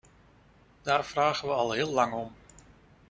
Daar vragen we al heel lang om.